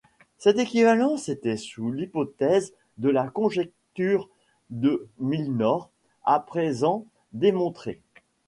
Cette équivalence était sous l'hypothèse de la conjecture de Milnor, à présent démontrée.